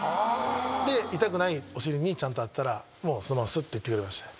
で痛くないお尻にちゃんと当てたらそのまますって行ってくれましたね。